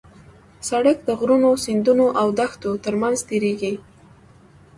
سړک د غرونو، سیندونو او دښتو ترمنځ تېرېږي.